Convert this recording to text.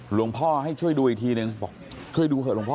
หลวงพ่อให้ช่วยดูอีกทีนึงบอกช่วยดูเถอหลวงพ่อ